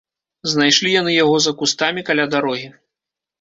Знайшлі яны яго за кустамі каля дарогі.